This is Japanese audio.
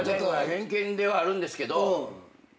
偏見ではあるんですけど。